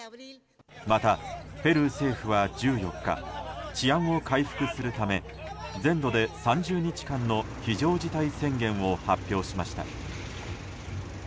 また、ペルー政府は１４日治安を回復するため全土で３０日間の非常事態宣言を発表しました。